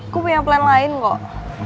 gue punya plan lain kok